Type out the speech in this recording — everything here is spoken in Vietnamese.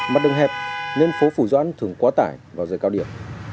mắt đường hẹp nên phố phủ dõn thường quá tải vào giờ cao điểm